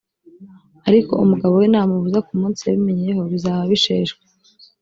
ariko umugabo we namubuza ku munsi yabimenyeyeho, bizaba bisheshwe.